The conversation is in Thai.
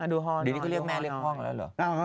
เดี๋ยวนี้เขาเรียกแม่เรียกพ่อ